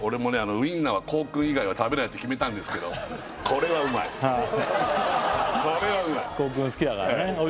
ウインナーは香薫以外は食べないって決めたんですけどこれはうまいこれはうまい！